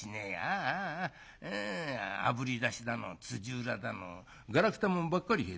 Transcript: ああああぶり出しだのつじうらだのがらくたもんばっかり入ってらぁ。